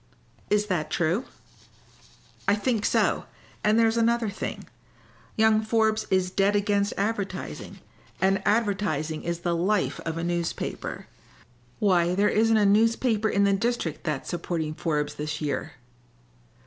"Is that true?" "I think so. And there's another thing. Young Forbes is dead against advertising, and advertising is the life of a newspaper. Why, there isn't a paper in the district that's supporting Forbes this year."